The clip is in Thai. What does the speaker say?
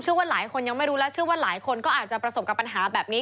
ว่าหลายคนยังไม่รู้แล้วเชื่อว่าหลายคนก็อาจจะประสบกับปัญหาแบบนี้